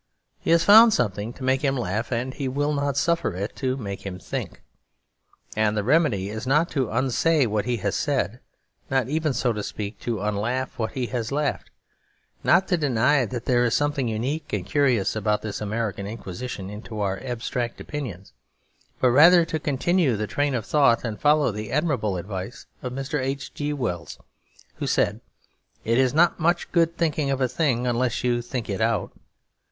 He has found something to make him laugh, and he will not suffer it to make him think. And the remedy is not to unsay what he has said, not even, so to speak, to unlaugh what he has laughed, not to deny that there is something unique and curious about this American inquisition into our abstract opinions, but rather to continue the train of thought, and follow the admirable advice of Mr. H. G. Wells, who said, 'It is not much good thinking of a thing unless you think it out.'